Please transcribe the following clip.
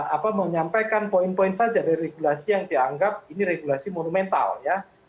apa menyampaikan poin poin saja dari regulasi yang dianggap ini regulasi monumental ya